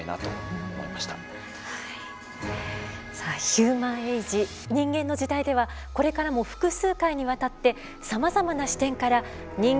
「ヒューマン・エイジ人間の時代」ではこれからも複数回にわたってさまざまな視点から「人間とは何か」